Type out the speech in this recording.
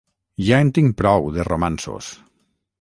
Ja en tinc prou de romanços!